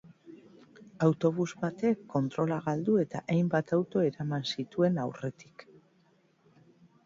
Autobus batek kontrola galdu, eta hainbat auto eraman zituen aurretik.